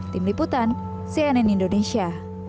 tim liputan cnn indonesia